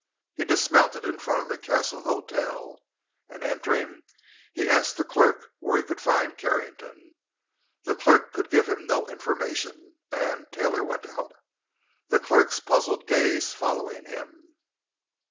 He dismounted in front of the Castle Hotel, and, entering, he asked the clerk where he could find Carrington. The clerk could give him no information, and Taylor went out, the clerk's puzzled gaze following him.